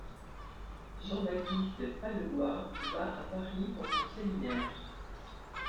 Jean-Baptiste Pallegoix va à Paris pour son séminaire.